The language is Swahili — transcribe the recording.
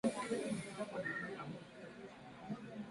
Kunywa maji yenye vimelea vya ugonjwa